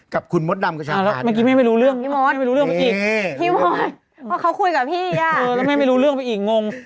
กับคุณมดดำประชาภาษณ์เนี่ยพี่หมอดพี่หมอดเขาคุยกับพี่อ่ะแล้วไม่รู้เรื่องไปอีกงง